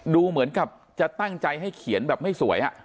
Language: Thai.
ดูเหมือนกับจะตั้งใจให้เขียนแบบไม่สวย